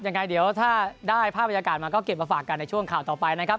ยังไงเดี๋ยวถ้าได้ภาพบรรยากาศมาก็เก็บมาฝากกันในช่วงข่าวต่อไปนะครับ